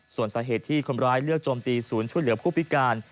ส่วนสาเหตุที่คนร้ายเลือกโจมตีศูนย์ช่วยเหลือผู้พิการ